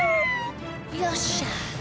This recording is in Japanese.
よっしゃ！